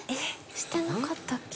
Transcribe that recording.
してなかったっけ？